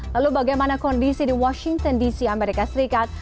lalu bagaimana kondisi di washington dc amerika serikat